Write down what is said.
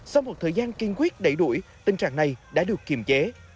sau một thời gian kiên quyết đẩy đuổi tình trạng này đã được kiềm chế